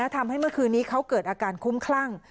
ทำให้เมื่อคืนนี้เขาเกิดอาการคุ้มคลั่ง